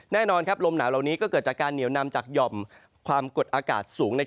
แน่นอนลมหนาวเหล่านี้ก็เกิดจากการเหนียวนำจากหย่อมความกดอากาศสูง